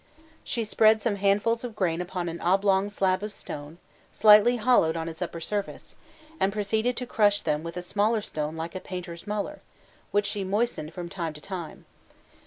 She spread some handfuls of grain upon an oblong slab of stone, slightly hollowed on its upper surface, and proceeded to crush them with a smaller stone like a painter's muller, which she moistened from time to time.